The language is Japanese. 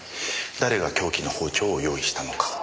誰が凶器の包丁を用意したのか。